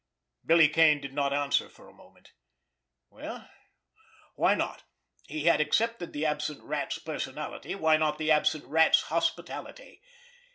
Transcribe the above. Billy Kane did not answer for a moment. Well, why not? He had accepted the absent Rat's personality, why not the absent Rat's hospitality?